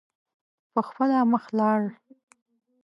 په خپله مخ لاړ.